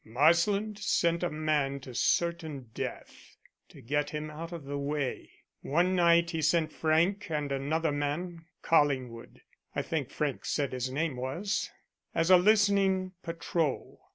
"Marsland sent a man to certain death to get him out of the way. One night he sent Frank and another man Collingwood, I think Frank said his name was as a listening patrol.